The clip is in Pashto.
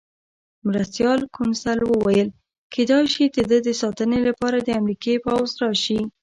مرستیال کونسل وویل: کېدای شي د ده د ساتنې لپاره د امریکا پوځ راشي.